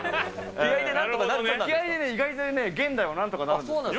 気合いで意外と現在はなんとかなるんですよ。